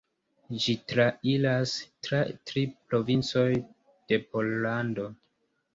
Ĝi trairas tra tri provincoj de Pollando.